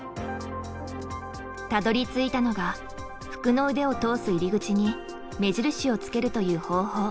たどりついたのが服の腕を通す入り口に目印をつけるという方法。